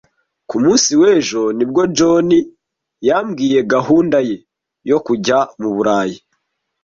Ku munsi w'ejo ni bwo John yambwiye gahunda ye yo kujya mu Burayi.